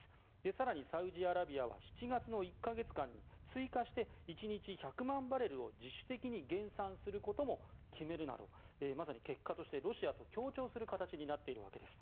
更にサウジアラビアは７月の１か月間に追加して１日１００万バレルを自主的に減産することも決めるなど、まさに結果としてロシアと協調する形になっているわけです。